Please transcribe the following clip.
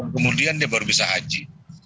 kemudian dia baru bisa haji